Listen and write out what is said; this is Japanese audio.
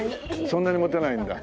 そんなにモテないんだ？